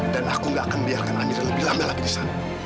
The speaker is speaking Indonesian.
dan aku gak akan membiarkan amira lebih lama lagi di sana